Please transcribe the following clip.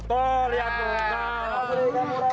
tuh liat bu